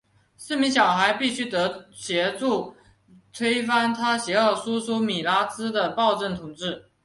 四名小孩必须得协助推翻他邪恶叔叔米拉兹的暴政统治。